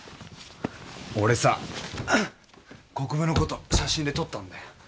俺さ国府のこと写真で撮ったんだよ。